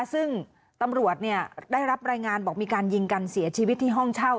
ซึ่งตำรวจได้รับรายงานบอกมีการยิงกันเสียชีวิตที่ห้องเช่า